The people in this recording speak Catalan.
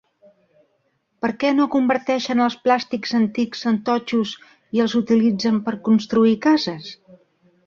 Perquè no converteixen els plàstics antics en totxos i els utilitzen per construir cases?